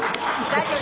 「大丈夫。